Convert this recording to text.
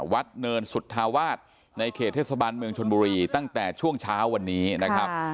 เนินสุธาวาสในเขตเทศบาลเมืองชนบุรีตั้งแต่ช่วงเช้าวันนี้นะครับ